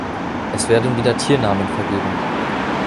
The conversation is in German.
Es werden wieder Tiernamen vergeben.